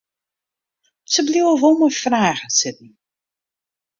Se bliuwe wol mei fragen sitten.